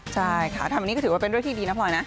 ใช่ค่ะทำอันนี้ก็ถือว่าเป็นเรื่องที่ดีนะพลอยนะ